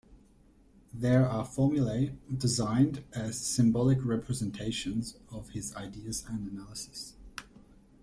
They are formulae, designed as symbolic representations of his ideas and analyses.